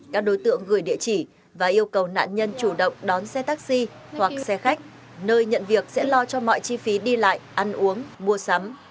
các đối tượng gửi địa chỉ và yêu cầu nạn nhân chủ động đón xe taxi hoặc xe khách nơi nhận việc sẽ lo cho mọi chi phí đi lại ăn uống mua sắm